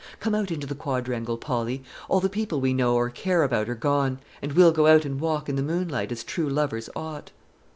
Come out into the quadrangle, Polly; all the people we know or care about are gone; and we'll go out and walk in the moonlight as true lovers ought."